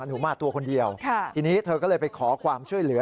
หนูมาตัวคนเดียวทีนี้เธอก็เลยไปขอความช่วยเหลือ